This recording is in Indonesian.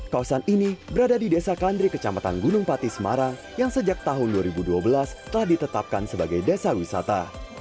kawasan ini berada di desa kandri kecamatan gunung pati semarang yang sejak tahun dua ribu dua belas telah ditetapkan sebagai desa wisata